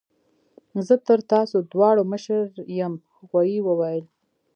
زه تر تاسو دواړو مشر یم غوايي وویل.